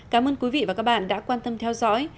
cảm ơn quý vị và các bạn đã quan tâm theo dõi